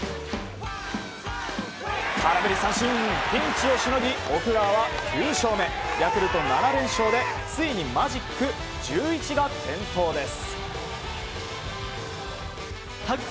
空振り三振、ピンチをしのぎ奥川は９勝目、ヤクルト７連勝でついにマジック１１が点灯です。